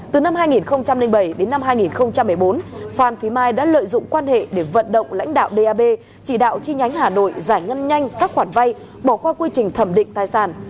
từ năm hai nghìn bảy đến năm hai nghìn một mươi bốn phan thúy mai đã lợi dụng quan hệ để vận động lãnh đạo đ a b chỉ đạo chi nhánh hà nội giải ngân nhanh các khoản vai bỏ qua quy trình thẩm định tài sản